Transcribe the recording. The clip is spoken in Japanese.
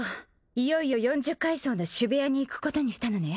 いよいよ四十階層の主部屋に行くことにしたのね